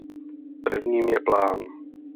Prvním je plán.